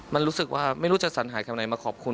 มันรู้สึกว่าไม่รู้จะสัญหาแถวไหนมาขอบคุณ